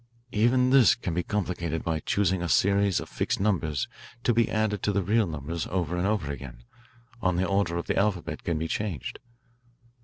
"Even this can be complicated by choosing a series of fixed numbers to be added to the real numbers over and over again, Or the order of the alphabet can be changed.